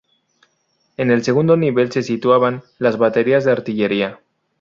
En el segundo nivel se situaban las baterías de artillería.